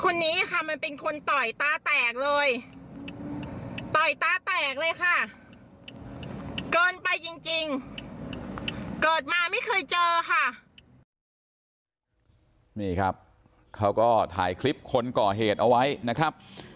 นี่ครับเขาก็ถ่ายคลิปคนก่อเหตุเอาไว้นะครับ